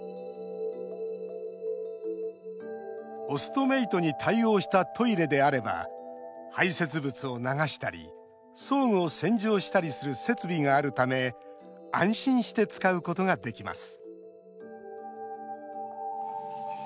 オストメイトに対応したトイレであれば排せつ物を流したり装具を洗浄したりする設備があるため安心して使うことができます